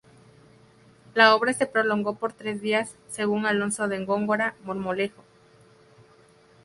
La obra se prolongó por tres días, según Alonso de Góngora Marmolejo.